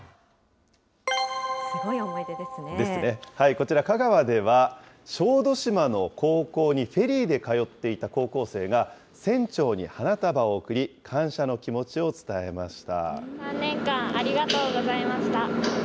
こちら、香川では、小豆島の高校にフェリーで通っていた高校生が、船長に花束を贈り、感謝の気持ちを伝えました。